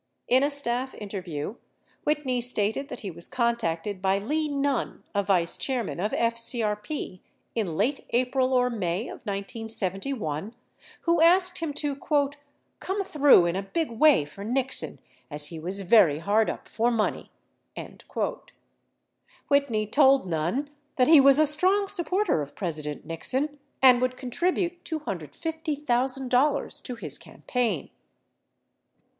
In a staff interview Whitney stated that he was contacted by Lee Nunn a vice chairman of FCRP, in late April or May of 1971, who asked him to "come through in a big way for Nixon as he was very hard up for money." Whitney told Nunn that he was a strong supporter of President Nixon and would contribute $250,000 to his campaign.